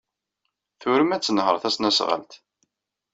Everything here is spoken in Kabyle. Turem ad tenheṛ tasnasɣalt.